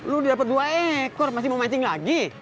lo udah dapet dua ekor masih mau mancing lagi